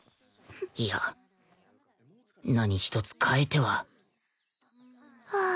いや何ひとつ変えてははあ。